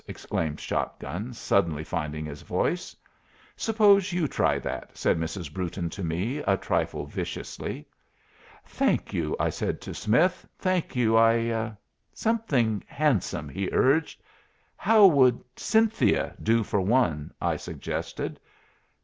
exclaimed Shot gun, suddenly finding his voice. "Suppose you try that," said Mrs. Brewton to me, a trifle viciously. "Thank you," I said to Smith. "Thank you. I " "Something handsome," he urged. "How would Cynthia do for one?" I suggested.